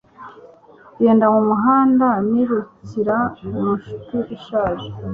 ngenda mu muhanda, nirukira mu nshuti ishaje